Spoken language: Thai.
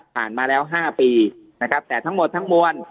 มาแล้ว๕ปีนะครับแต่ทั้งหมดทั้งมวล